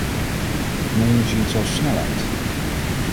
Neem nu zoiets als snelheid.